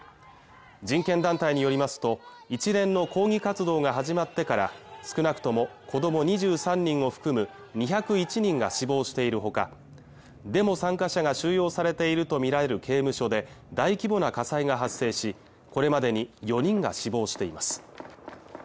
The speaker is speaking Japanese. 人権団体によりますと一連の抗議活動が始まってから少なくとも子ども２３人を含む２０１人が死亡しているほかデモ参加者が収容されていると見られる刑務所で大規模な火災が発生しこれまでに４人が死亡しています